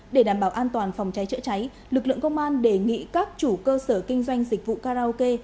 để đảm bảo an toàn phòng cháy chữa cháy lực lượng công an đề nghị các chủ cơ sở kinh doanh dịch vụ karaoke